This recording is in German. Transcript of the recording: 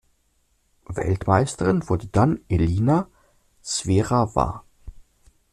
Weltmeisterin wurde dann Elina Swerawa.